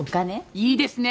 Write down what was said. いいですね。